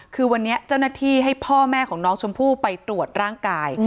คือวันนี้เจ้าหน้าที่ให้พ่อแม่ของน้องชมพู่ไปตรวจร่างกาย